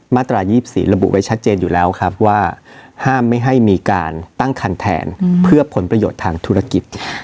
มาตรา๒๔ระบุไว้ชัดเจนอยู่แล้วครับว่าห้ามไม่ให้มีการตั้งคันแทนเพื่อผลประโยชน์ทางธุรกิจ